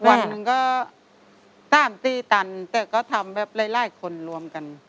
วันก็๓๔ตันแต่ก็ทำแบบไร้คนรวมกัน